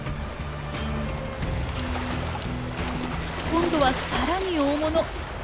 今度はさらに大物！